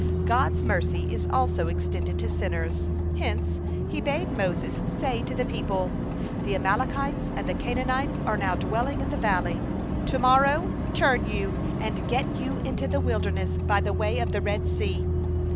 God's mercy is also extended to sinners, hence He bade Moses say to the people: "The Amalekites and the Canaanites are now dwelling in the valley, to morrow turn you, and get you into the wilderness by the way of the Red Sea."